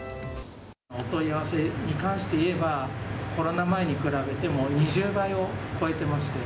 問い合わせに関して言えば、コロナ前に比べて、２０倍を超えてまして。